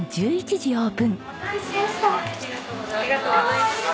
ありがとうございます。